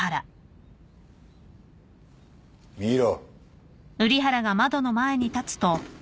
見ろ！